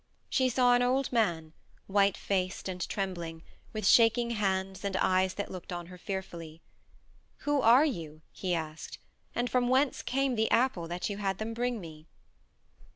She saw an old man, white faced and trembling, with shaking hands and eyes that looked on her fearfully. "Who are you," he asked, "and from whence came the apple that you had them bring me?"